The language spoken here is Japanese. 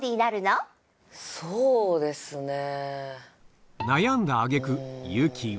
そうですねぇ。